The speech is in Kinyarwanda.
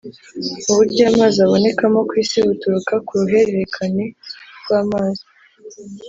uburyo amazi abonekamo ku isi buturuka ku ruhererekane rw’amazi.